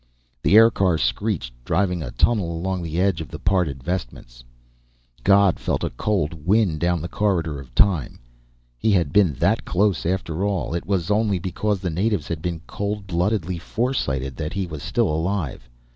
The aircar screeched, driving a tunnel along the edge of the parted vestments. God felt a cold wind down the corridor of time. He had been that close, after all. It was only because the natives had been cold bloodedly foresighted that He was still alive.